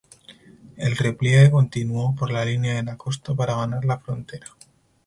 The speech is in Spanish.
El repliegue continuó por la línea de la costa para ganar la frontera.